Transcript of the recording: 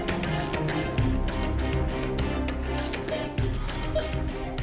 tidak ada yang bisa dikira